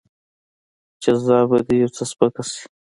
جزا به دې يو څه سپکه شي.